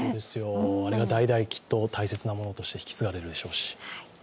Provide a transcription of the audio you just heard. あれが代々、きっと大切なものとして引き継がれるでしょうし。